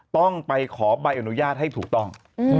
ต้องไปขอใบอนุญาตให้ถูกต้อง